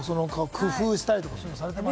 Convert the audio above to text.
工夫したりとか、されたりしてます？